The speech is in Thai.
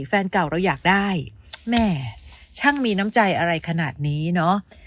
แฟนเก่าเราอยากได้แหม่ช่างมีน้ำใจอะไรขนาดนี้เนอะ